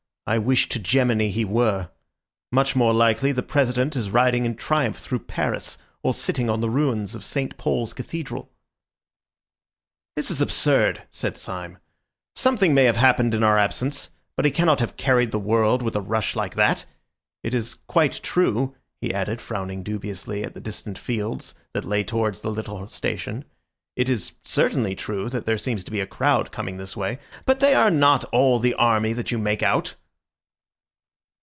I wish to Gemini he were. Much more likely the President is riding in triumph through Paris, or sitting on the ruins of St. Paul's Cathedral." "This is absurd!" said Syme. "Something may have happened in our absence; but he cannot have carried the world with a rush like that. It is quite true," he added, frowning dubiously at the distant fields that lay towards the little station, "it is certainly true that there seems to be a crowd coming this way; but they are not all the army that you make out."